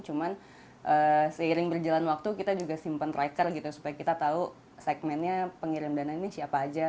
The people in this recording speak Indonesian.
cuman seiring berjalan waktu kita juga simpen tracker gitu supaya kita tahu segmennya pengirim dana ini siapa aja